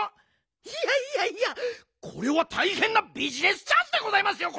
いやいやいやこれはたいへんなビジネスチャンスでございますよ